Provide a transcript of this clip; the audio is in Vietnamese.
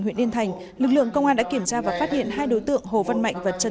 huyện yên thành lực lượng công an đã kiểm tra và phát hiện hai đối tượng hồ văn mạnh và trần